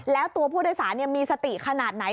แล้วตัวผู้โดยสารมีสติขนาดไหน